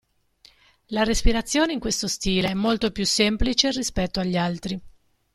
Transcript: La respirazione in questo stile è molto più semplice rispetto agli altri.